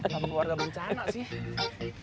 tapi keluarga berencana sih